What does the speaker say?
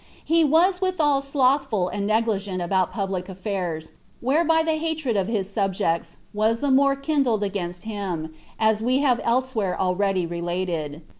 He was withal slothful and negligent about the public affairs, whereby the hatred of his subjects was the more kindled against him, as we have elsewhere already related.